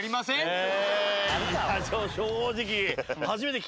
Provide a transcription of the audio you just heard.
正直。